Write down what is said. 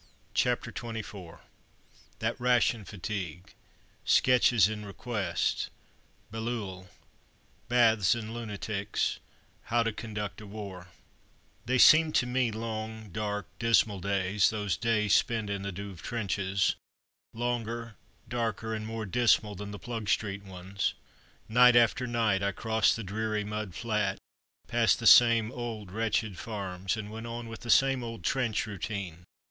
CHAPTER XXIV THAT RATION FATIGUE SKETCHES IN REQUEST BAILLEUL BATHS AND LUNATICS HOW TO CONDUCT A WAR [Illustration: T] They seemed to me long, dark, dismal days, those days spent in the Douve trenches; longer, darker and more dismal than the Plugstreet ones. Night after night I crossed the dreary mud flat, passed the same old wretched farms, and went on with the same old trench routine.